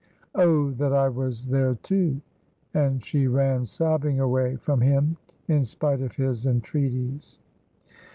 Oh, that I was there, too!" And she ran sobbing away from him in spite of his entreaties.